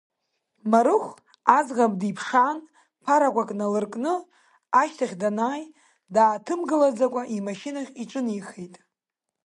Марыхә, аӡӷаб диԥшаан, ԥарақәак налыркны, ашҭахь данааи, дааҭымгылаӡакәа имашьынахь иҿынеихеит.